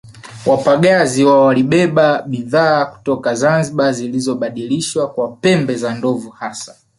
Wapagazi wao walibeba bidhaa kutoka Zanzibar zilizobadilishwa kwa pembe za ndovu hasa